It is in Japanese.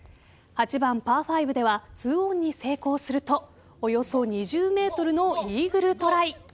８番パー５ではツーオンに成功するとおよそ２０ｍのイーグルトライ。